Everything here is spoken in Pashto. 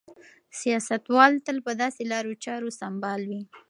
سیاستوال تل په داسې لارو چارو سمبال وي.